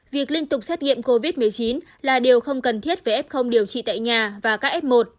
việc liên tục xét nghiệm covid một mươi chín là điều không cần thiết về f điều trị tại nhà và các f một